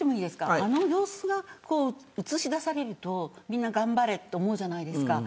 あの様子が映し出されるとみんな頑張れと思うじゃないですか。